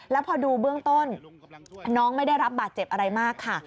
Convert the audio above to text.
แล้วพอดูเบื้องต้นน้องไม่ได้รับบาดเจ็บอะไรมากค่ะ